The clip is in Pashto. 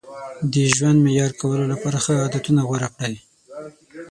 د ژوند معیاري کولو لپاره ښه عادتونه غوره کړئ.